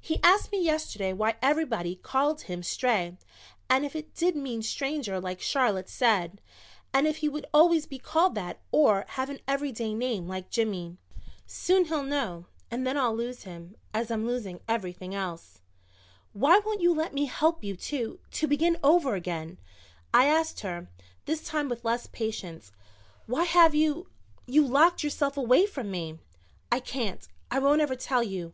"He asked me yesterday why everybody called him Stray and if it did mean Stranger like Charlotte said, and if he would always be called that or have an everyday name like Jimmy. Soon he'll know and then I'll lose him as I'm losing everything else." "Why won't you let me help you to to begin over again?" I asked her, this time with less patience. "Why have you you locked yourself away from me?" "I can't I won't ever tell you.